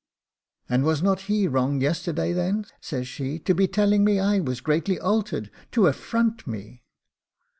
'And was not he wrong yesterday, then,' says she, 'to be telling me I was greatly altered, to affront me?